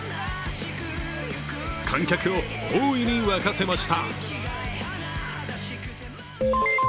観客を大いに沸かせました。